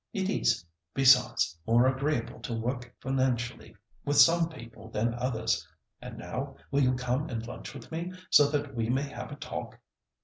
It is, besides, more agreeable to work financially with some people than others. And now, will you come and lunch with me, so that we may have a talk?"